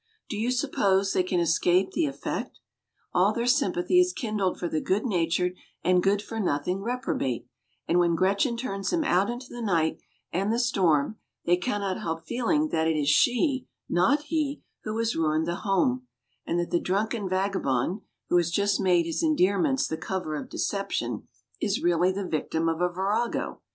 Do you suppose they can escape the effect? All their sympathy is kindled for the good natured and good for nothing reprobate, and when Gretchen turns him out into the night and the storm, they cannot help feeling that it is she, not he, who has ruined the home, and that the drunken vagabond, who has just made his endearments the cover of deception, is really the victim of a virago.